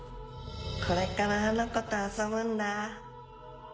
これからあの子と遊ぶんだ。